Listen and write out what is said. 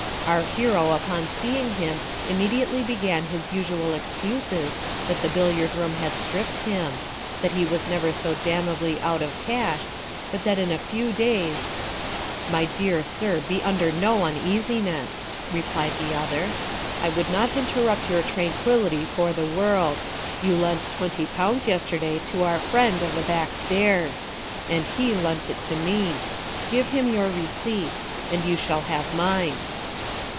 Our hero upon seeing him, immediately began his usual excuses, that the billiard room had stripped him ; that he was never so damnably out of cash, but that in a few days ." My dear sir, be under no uneasiness," replied the other, "I would not interrupt your tranquillity for the world ; you lent twenty pounds yesterday to our friend of the back stairs, and he lent it to me ; give him your receipt, and you shall have mine.